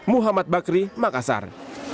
muhammad bakri makassar